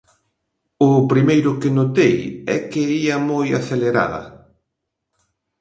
O primeiro que notei é que ía moi acelerada.